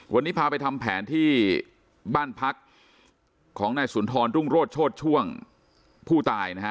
วันนี้พาไปทำแผนที่บ้านพักของนายสุนทรรุ่งโรธโชธช่วงผู้ตายนะฮะ